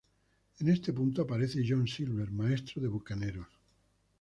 En este punto aparece John Silver, maestro de bucaneros.